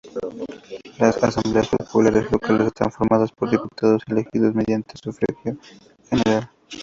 Las Asambleas Populares Locales están formadas por diputados elegidos mediante sufragio general.